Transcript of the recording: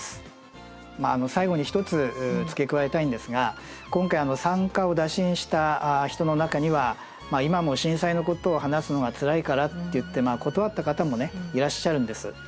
最後に一つ付け加えたいんですが今回参加を打診した人の中には「今も震災のことを話すのがつらいから」って言って断った方もいらっしゃるんです。